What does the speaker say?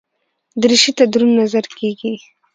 دریشي ته دروند نظر کېږي.